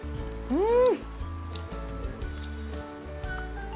うん。